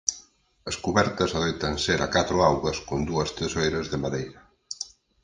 As cubertas adoitan ser a catro augas con dúas tesoiras de madeira.